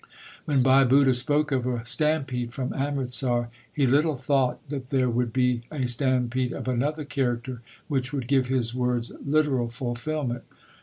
When Bhai Budha spoke of a stampede from Amritsar he little thought that there would be a stampede of another character, which would give his words literal fulfilment.